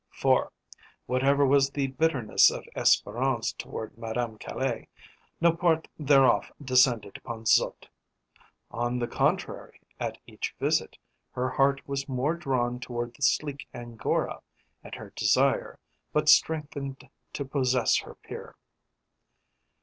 For, whatever was the bitterness of Espérance toward Madame Caille, no part thereof descended upon Zut. On the contrary, at each visit her heart was more drawn toward the sleek angora, and her desire but strengthened to possess her peer.